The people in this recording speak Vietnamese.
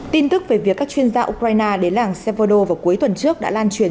tin tức về việc các chuyên gia ukraine đến làng sevodo vào cuối tuần trước đã lan truyền